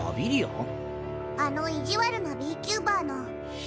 あの意地悪なＢ・キューバーの。